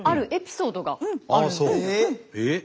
えっ？